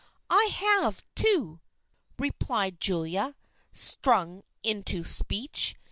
" I have, too !" replied Julia, stung into speech.